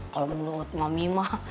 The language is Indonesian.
kalau menurut mami mah